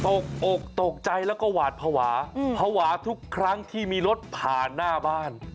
อกตกใจแล้วก็หวาดภาวะภาวะทุกครั้งที่มีรถผ่านหน้าบ้าน